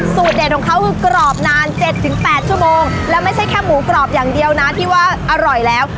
เด็ดของเขาคือกรอบนาน๗๘ชั่วโมงแล้วไม่ใช่แค่หมูกรอบอย่างเดียวนะที่ว่าอร่อยแล้ว